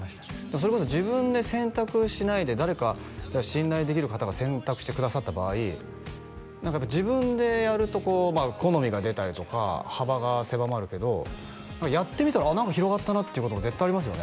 それこそ自分で選択しないで誰か信頼できる方が選択してくださった場合何か自分でやるとこう好みが出たりとか幅が狭まるけどやってみたら何か広がったなっていうことも絶対ありますよね